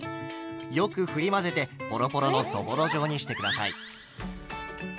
よくふり混ぜてポロポロのそぼろ状にして下さい。